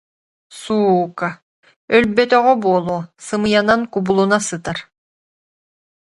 Суука, өлбөтөҕө буолуо, сымыйанан кубулуна сытар